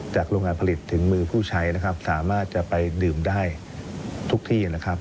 โรงงานผลิตถึงมือผู้ใช้นะครับสามารถจะไปดื่มได้ทุกที่นะครับ